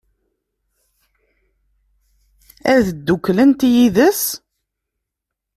Ad dduklent yid-s?